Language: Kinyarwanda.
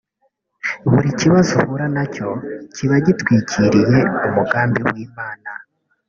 Buri kibazo uhura nacyo kiba gitwikiriye umugambi w’Imana